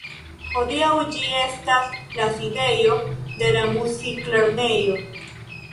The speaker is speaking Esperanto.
Hodiaŭ ĝi estas la sidejo de la Muziklernejo.